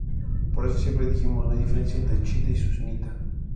Por eso siempre dijimos no hay diferencia entre chiita y sunita.